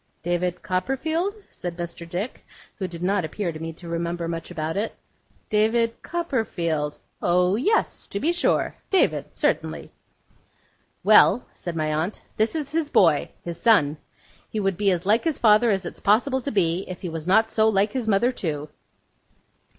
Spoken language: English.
'David Copperfield?' said Mr. Dick, who did not appear to me to remember much about it. 'David Copperfield? Oh yes, to be sure. David, certainly.' 'Well,' said my aunt, 'this is his boy his son. He would be as like his father as it's possible to be, if he was not so like his mother, too.